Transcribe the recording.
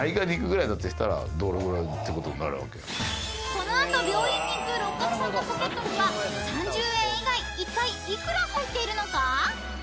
［この後病院に行く六角さんのポケットには３０円以外いったい幾ら入っているのか？］